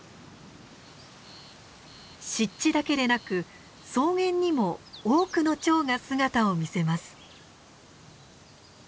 湿地だけでなく草原にも多くのチョウが姿を見せます。